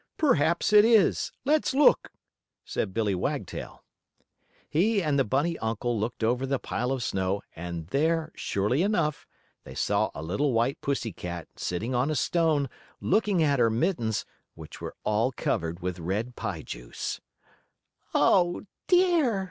"Perhaps it is. Let's look," said Billie Wagtail. He and the bunny uncle looked over the pile of snow, and there, surely enough, they saw a little white pussy cat sitting on a stone, looking at her mittens, which were all covered with red pie juice. "Oh, dear!"